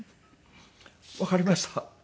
「わかりました」。